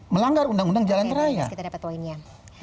melanggar undang undang jalanan raya